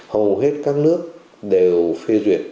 hầu hết các nước đều phê duyệt